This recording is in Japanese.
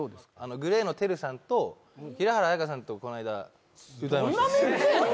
ＧＬＡＹのＴＥＲＵさんと平原綾香さんとこの間歌いました